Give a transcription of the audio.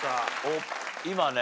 今ね